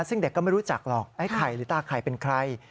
ซึ่งเด็กก็ไม่รู้จักหรอกไอ้ไข่หรือตาไข่เป็นใคร